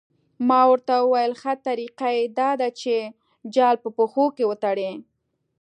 ما ورته وویل ښه طریقه یې دا ده چې جال په پښو کې وتړي.